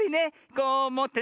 こうもってね